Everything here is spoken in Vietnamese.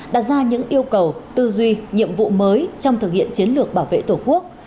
đặt ra những yêu cầu tư duy nhiệm vụ mới trong thực hiện chiến lược bảo vệ tổ quốc